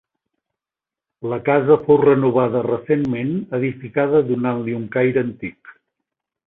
La casa fou renovada recentment, edificada donant-li un caire antic.